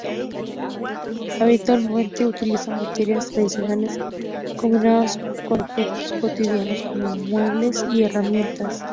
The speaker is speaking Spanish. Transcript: Habitualmente utiliza materiales tradicionales combinados con objetos cotidianos, como muebles y herramientas.